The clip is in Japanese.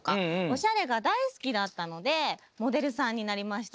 オシャレがだいすきだったのでモデルさんになりましたね。